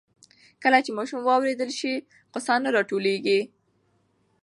کله چې ماشوم واورېدل شي, غوسه نه راټولېږي.